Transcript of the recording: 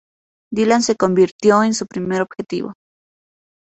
Dylan se convirtió en su primer objetivo.